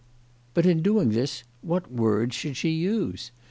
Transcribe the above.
But in doing this what words should she use